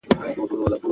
فعل د مانا اساس دئ.